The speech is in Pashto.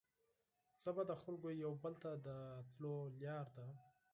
ژبه د خلګو یو بل ته د تلو لاره ده